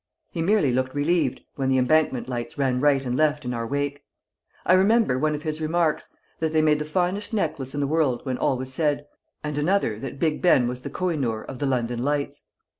He merely looked relieved when the Embankment lights ran right and left in our wake. I remember one of his remarks, that they made the finest necklace in the world when all was said, and another that Big Ben was the Koh i noor of the London lights.